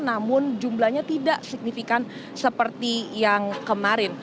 namun jumlahnya tidak signifikan seperti yang kemarin